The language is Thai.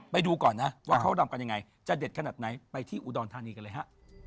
ไปดูก่อนนะว่าเขารำกันยังไงจะเด็ดขนาดไหนไปที่อุดรธานีกันเลยฮะ